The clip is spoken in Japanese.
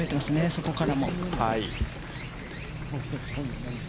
そこからも。